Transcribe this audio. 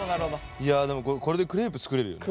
いやでもこれこれでクレープ作れるよね。